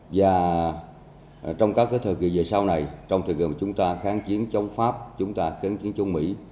và trong các thời kỳ về sau này trong thời kỳ mà chúng ta kháng chiến chống pháp chúng ta kháng chiến chống mỹ